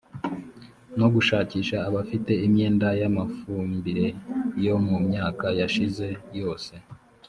no gushakisha abafite imyenda y amafumbire yo mu myaka yashize yose